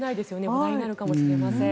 話題になるかもしれません。